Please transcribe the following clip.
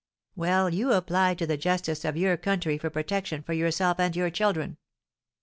Well, you apply to the justice of your country for protection for yourself and your children.